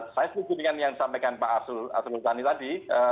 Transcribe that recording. saya sendiri dengan yang disampaikan pak asrul tani tadi